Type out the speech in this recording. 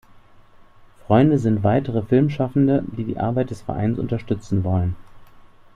Freunde sind weitere Filmschaffende, die die Arbeit des Vereins unterstützen wollen.